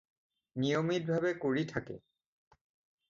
নিয়মিতভাৱে কৰি থাকে।